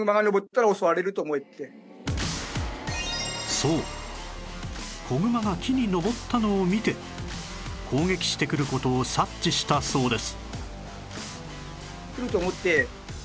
そう子グマが木に登ったのを見て攻撃してくる事を察知したそうです